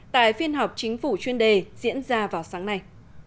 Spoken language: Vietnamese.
tại phiên họp chính phủ chuyên đề diễn ra vào sáng nay